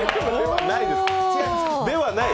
ではない。